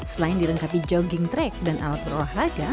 selain dilengkapi jogging track dan alat berolahraga